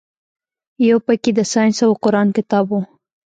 يو پکښې د ساينس او قران کتاب و.